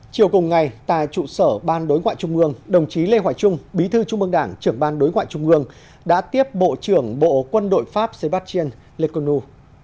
chiều cùng ngày tại trụ sở ban đối ngoại trung ương đồng chí lê hoài trung bí thư trung mương đảng trưởng ban đối ngoại trung ương đã tiếp bộ trưởng bộ quân đội pháp sébastien lekonu